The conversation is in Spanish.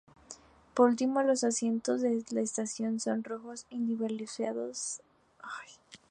Por último, los asientos de la estación son rojos, individualizados y de tipo Motte.